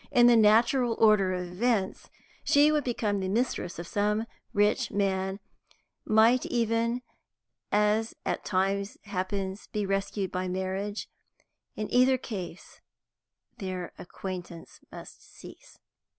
In the natural order of events she would become the mistress of some rich man; might even, as at times happens, be rescued by marriage; in either case, their acquaintance must cease.